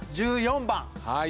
１４番。